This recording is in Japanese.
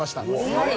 はい。